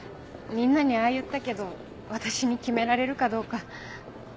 みんなにああ言ったけど私に決められるかどうか。